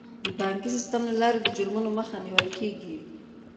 د بانکي سیستم له لارې د جرمونو مخه نیول کیږي.